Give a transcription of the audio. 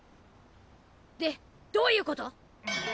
でどういうこと？